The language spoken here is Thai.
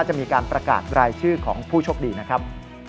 จะมีการประกาศรายชื่อของผู้โชคดีนะครับ